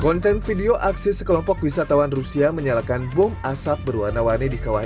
konten video aksi sekelompok wisatawan rusia menyalakan bom asap berwarna warni di kawasan